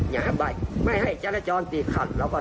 อย่าบัดไม่ให้จรจรติดขัดแล้วก็ทำ